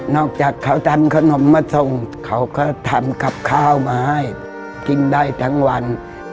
อกจากเขาทำขนมมาส่งเขาก็ทำกับข้าวมาให้กินได้ทั้งวัน